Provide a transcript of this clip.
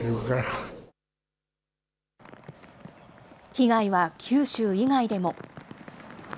被害は九州以外でも。